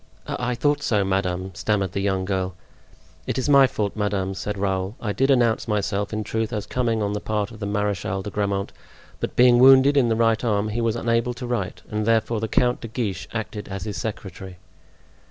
"I thought so, madame," stammered the young girl. "It is my fault, madame," said Raoul. "I did announce myself, in truth, as coming on the part of the Marechal de Grammont; but being wounded in the right arm he was unable to write and therefore the Count de Guiche acted as his secretary."